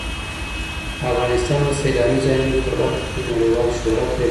افغانستان د سیلانی ځایونه په برخه کې نړیوال شهرت لري.